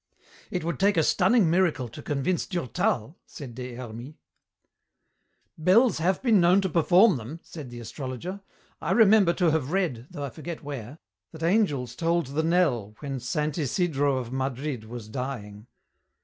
"It would take a stunning miracle to convince Durtal," said Des Hermies. "Bells have been known to perform them," said the astrologer. "I remember to have read, though I forget where, that angels tolled the knell when Saint Isidro of Madrid was dying."